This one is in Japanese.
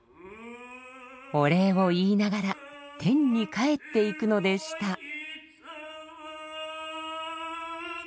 お礼を言いながら天に帰っていくのでした。